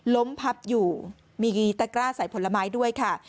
พับอยู่มีตะกร้าใส่ผลไม้ด้วยค่ะ